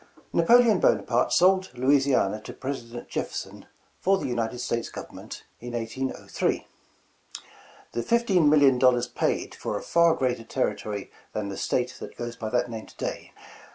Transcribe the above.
NAPOLEON Bonaparte sold Louisiana to Presi dent Jefferson, for the United States govern ment, in 1803. The fifteen million dollars paid for a far greater ter ritory than the State that goes by that name to day.